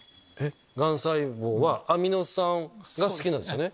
がん細胞はアミノ酸が好きなんですよね。